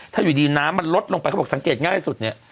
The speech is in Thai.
ถ้าอยู่ดีน้ำมันลดลงไปเขาบอกสังเกตง่ายสุดเนี่ย